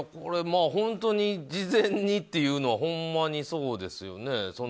本当に事前にっていうのはほんまにそうですよね。